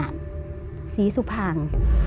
สีสุพาง